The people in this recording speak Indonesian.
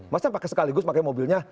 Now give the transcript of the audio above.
maksudnya pakai sekaligus pakai mobilnya